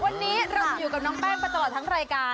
วันนี้เราจะอยู่กับน้องแป้งไปตลอดทั้งรายการ